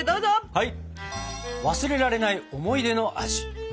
はい！